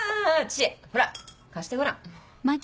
知恵ほら貸してごらん。